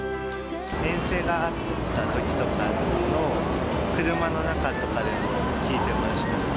遠征があったときとかの車の中とかで聴いてました。